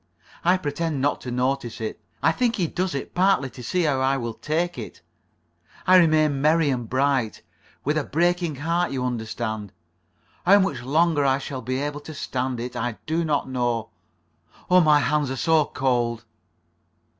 I pretend not to notice it. I think he does it partly to see how I will take it. I remain merry and bright. With a breaking heart, you understand. How much longer I shall be able to stand it, I do not know. Oh, my hands are so cold."